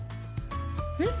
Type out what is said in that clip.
えっ？